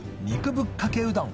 ぶっかけうどん